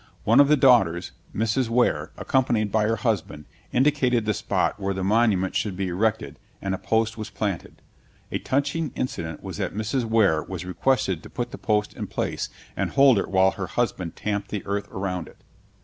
One of the daughters, Mrs. Ware, accompanied by her husband, indicated the spot where the monument should be erected, and a post was planted. A touching incident was that Mrs. Ware was requested to put the post in place and hold it while her husband tamped the earth around it.